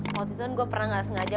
waktu itu gue pernah gak sengaja